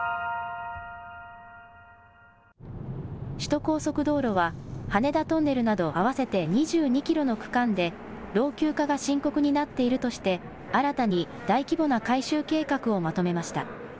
首都高速道路は、羽田トンネルなど合わせて２２キロの区間で、老朽化が深刻になっているとして、新たに大規模な改修計画をまとめました。